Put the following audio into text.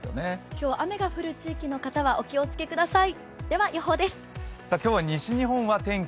今日は雨が降る地域の方はお気をつけください。